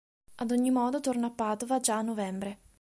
Ad ogni modo tornò a Padova già a novembre.